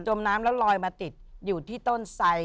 มน้ำแล้วลอยมาติดอยู่ที่ต้นไส